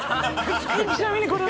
ちなみにこれは？